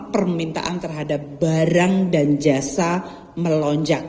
permintaan terhadap barang dan jasa melonjak